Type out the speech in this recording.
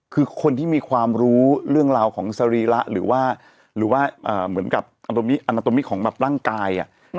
คือคนที่มีความรู้เรื่องราวของสรีระหรือว่าหรือว่าเหมือนกับอนาโตมิของแบบร่างกาย